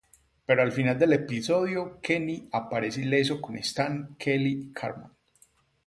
Pero al Final del episodio Kenny aparece ileso con Stan, Kyle y Cartman.